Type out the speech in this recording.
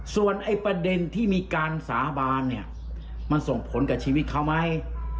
ส่วนไอ้ประเด็นที่มีการสาบานเนี่ยมันส่งผลกับชีวิตเขาไหม